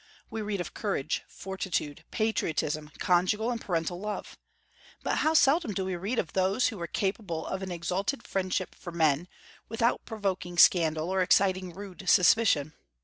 We read of courage, fortitude, patriotism, conjugal and parental love; but how seldom do we read of those who were capable of an exalted friendship for men, without provoking scandal or exciting rude suspicion?